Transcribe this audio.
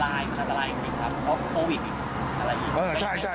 อันตรายอันตรายจริงครับเพราะโควิดอีก